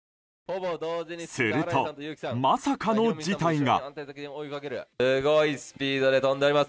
すると、まさかの事態が。